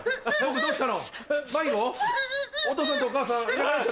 どうしたの？